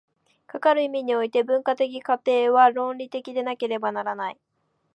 かかる意味において、文化的過程は倫理的でなければならない。